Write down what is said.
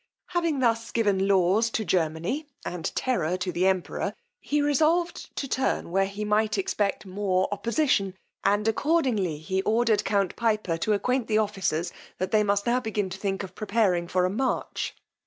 Having thus given laws to Germany and terror to the emperor, he resolved to turn where he might expect more opposition; and accordingly he ordered count Piper to acquaint the officers, that they must now begin to think of preparing for a march.